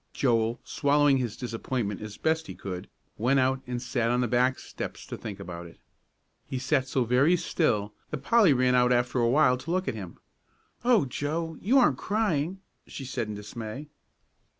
Joel, swallowing his disappointment as best he could, went out and sat on the back steps to think about it. He sat so very still, that Polly ran out after a while to look at him. "Oh, Joe, you aren't crying!" she said in dismay.